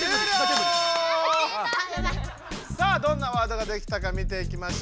さあどんなワードができたか見ていきましょう。